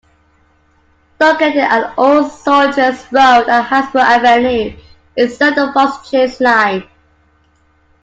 Located at Old Soldiers Road and Hasbrook Avenue, it serves the Fox Chase Line.